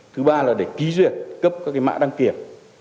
thứ ba là để ký duyệt cấp các mạng đăng kiểm